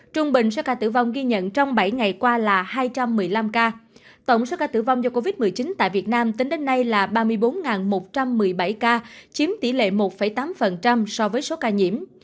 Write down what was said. tổng số ca tử vong do covid một mươi chín tại việt nam tính đến nay là ba mươi bốn một trăm một mươi bảy ca chiếm tỷ lệ một tám so với số ca nhiễm